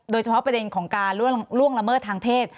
โดยเฉพาะประเด็นของการล่วงละเมิดทางเพศ